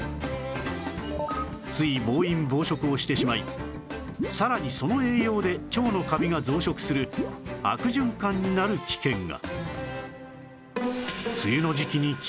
つい暴飲暴食をしてしまいさらにその栄養で腸のカビが増殖する悪循環になる危険が